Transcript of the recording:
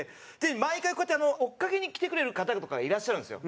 毎回こうやって追っ掛けに来てくれる方とかがいらっしゃるんですよ。